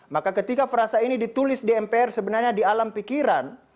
maka ketika frasa ini ditulis di mpr sebenarnya di alam pikiran